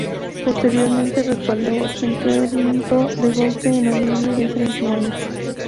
Posteriormente respaldó otro intento de golpe en noviembre de ese mismo año.